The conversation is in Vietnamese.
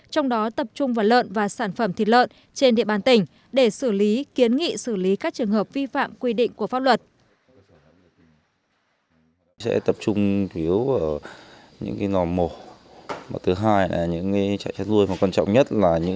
trong đó tập trung vào lợn và sản phẩm thịt lợn trên địa bàn tỉnh để xử lý kiến nghị xử lý các trường hợp vi phạm quy định của pháp luật